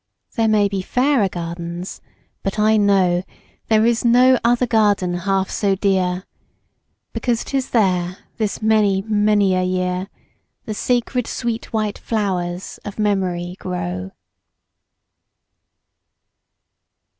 There may be fairer gardens—but I know There is no other garden half so dear, Because 'tis there, this many, many a year, The sacred sweet white flowers of memory grow.